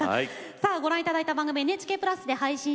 さあご覧頂いた番組はＮＨＫプラスで配信します。